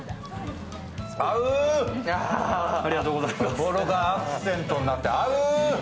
そぼろがアクセントになって合う！